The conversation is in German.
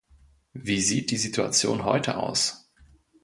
Wie sieht die Situation heute aus?